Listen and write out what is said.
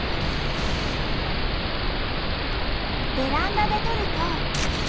ベランダで撮ると。